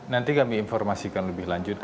nanti kami informasikan lebih lanjut